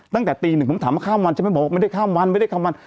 ตั้งแต่ตีหนึ่งผมถามว่าข้ามวันใช่ไหมบอกว่าไม่ได้ข้ามวันไม่ได้ข้ามวัน